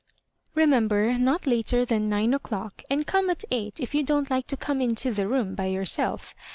Remem ber not later than nine o'clock ; and come at eight if you don't like to come into the room by yourself.